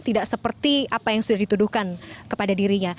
tidak seperti apa yang sudah dituduhkan kepada dirinya